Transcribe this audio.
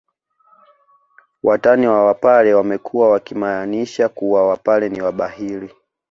Watani wa wapare wamekuwa wakimaanisha kuwa wapare ni wabahili